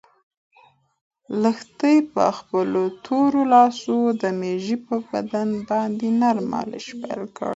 لښتې په خپلو تورو لاسو د مېږې په بدن باندې نرمه مالش پیل کړ.